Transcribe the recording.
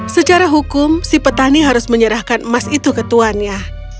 secara hukum si petani harus menyerahkan emas itu ke tuannya